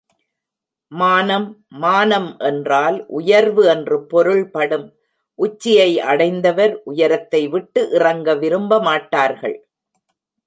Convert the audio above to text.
மானம் மானம் என்றால் உயர்வு என்று பொருள்படும் உச்சியை அடைந்தவர் உயரத்தைவிட்டு இறங்க விரும்பமாட்டார்கள்.